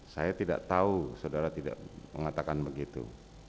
saya tidak tahu saudara tidak mengatakan begitu